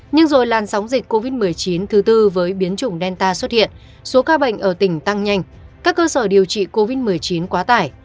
nhưng rồi làn sóng dịch covid một mươi chín thứ tư với biến chủng delta xuất hiện số ca bệnh ở tỉnh tăng nhanh các cơ sở điều trị covid một mươi chín quá tải